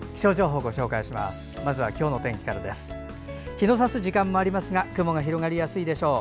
日のさす時間もありますが雲が広がりやすいでしょう。